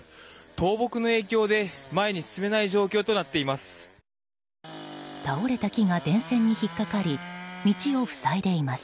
倒木の影響で前に進めない状況となっています。